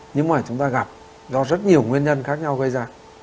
nhưng mà chúng ta gặp do rất nhiều nguyên nhân khác nhau gây ra